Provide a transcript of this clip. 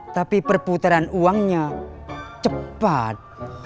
tapi perputaran uangnya cepat